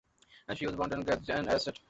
She was bound and gagged and arrested.